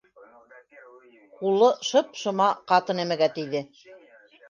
Ҡулы шып-шыма ҡаты нәмәгә тейҙе.